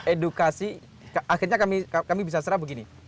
edukasi akhirnya kami bisa serah begini